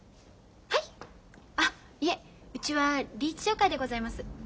あいえうちはリーチ商会でございます。